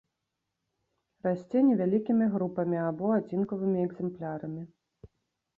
Расце невялікімі групамі або адзінкавымі экзэмплярамі.